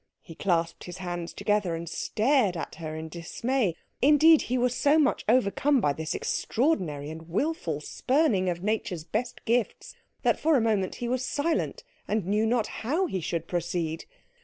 He clasped his hands together and stared at her in dismay. Indeed, he was so much overcome by this extraordinary and wilful spurning of nature's best gifts that for a moment he was silent, and knew not how he should proceed.